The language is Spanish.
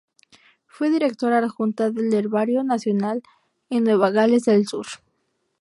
Fue Directora Adjunta del Herbario Nacional de Nueva Gales del Sur.